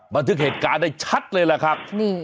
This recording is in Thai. บันทึกเหตุการณ์ได้ชัดเลยแหละครับ